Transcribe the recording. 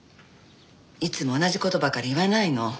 いつも同じ事ばかり言わないの。